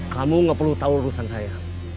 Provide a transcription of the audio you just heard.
kamu gak perlu tahu urusan saya